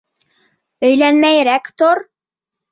Өйләнмәйерәк тор!